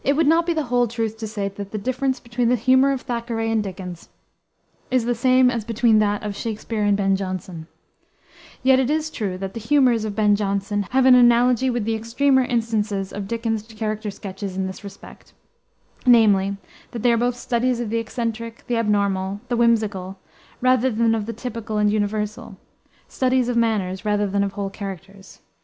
It would not be the whole truth to say that the difference between the humor of Thackeray and Dickens is the same as between that of Shakspere and Ben Jonson. Yet it is true that the "humors" of Ben Jonson have an analogy with the extremer instances of Dickens's character sketches in this respect, namely: that they are both studies of the eccentric, the abnormal, the whimsical, rather than of the typical and universal studies of manners, rather than of whole characters.